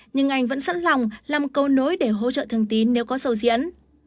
nhưng anh vẫn sẵn lòng làm câu nối để hỗ trợ thường tín nếu có sâu diễn